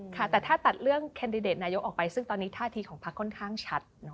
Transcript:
ค่ะแต่ถ้าตัดเรื่องแคนดิเดตนายกออกไปซึ่งตอนนี้ท่าทีของพักค่อนข้างชัด